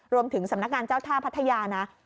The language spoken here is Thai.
รวมถึงสำนักการณ์เจ้าท่าพัทยาน่ะ